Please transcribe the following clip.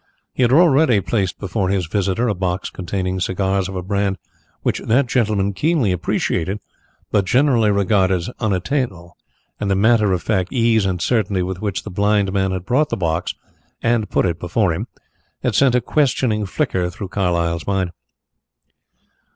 He had already placed before his visitor a box containing cigars of a brand which that gentleman keenly appreciated but generally regarded as unattainable, and the matter of fact ease and certainty with which the blind man had brought the box and put it before him had sent a questioning flicker through Carlyle's mind.